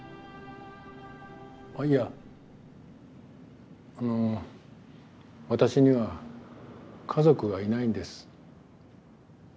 いやあの私には家族がいないんです。